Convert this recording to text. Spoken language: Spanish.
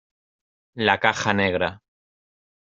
la caja negra.